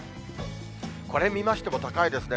これ、見ましても高いですね。